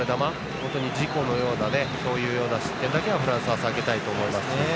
本当に事故のようなそういうような失点だけはフランスは避けたいと思いますし。